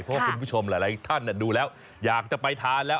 เพราะว่าคุณผู้ชมหลายท่านดูแล้วอยากจะไปทานแล้ว